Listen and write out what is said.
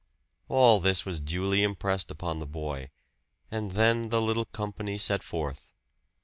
All this was duly impressed upon the boy, and then the little company set forth.